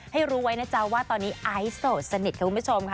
ให้รู้ไว้นะจ๊ะว่าตอนนี้ไอซ์โสดสนิทค่ะคุณผู้ชมค่ะ